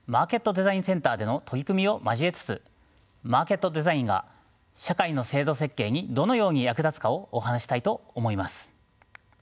デザインセンターでの取り組みを交えつつマーケットデザインが社会の制度設計にどのように役立つかをお話ししたいと思います。